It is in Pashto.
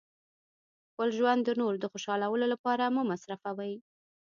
خپل ژوند د نورو د خوشحالولو لپاره مه مصرفوئ.